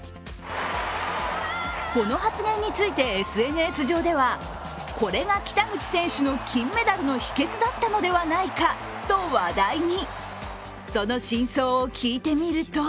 この発言についてＳＮＳ上ではこれが北口選手の金メダルの秘けつだったのではないかと話題に。